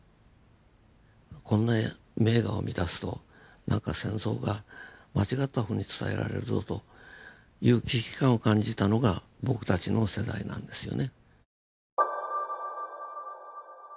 こんな名画を見だすとなんか戦争が間違ったふうに伝えられるぞという危機感を感じたのが僕たちの世代なんですよね。